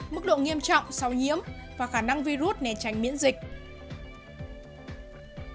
mức độ nghiêm trọng sau nhiễm và khả năng virus nên tránh miễn dịch